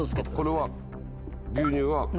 これは牛乳は。